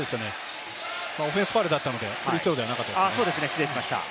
オフェンスファウルだったのでフリースローではなかったですね。